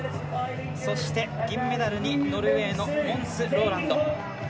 そして、銀メダルにノルウェーのモンス・ローランド。